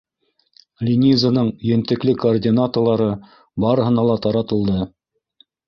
Линизаның ентекле координаталары барыһына ла таратылды.